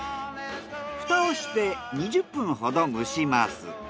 フタをして２０分ほど蒸します。